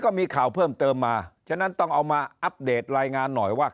ก็มีข่าวเพิ่มเติมมาฉะนั้นต้องเอามาอัปเดตรายงานหน่อยว่า